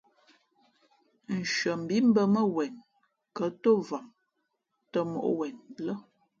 Nshʉαmbhǐ mbᾱ mά wen kα̌ ntōm vam tᾱ mǒʼ wzen lά.